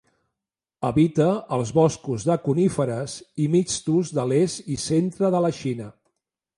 Habita els boscos de coníferes i mixtos de l'est i centre de la Xina.